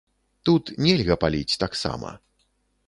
Тут нельга паліць таксама.